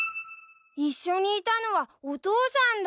一緒にいたのはお父さんだ！